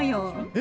え！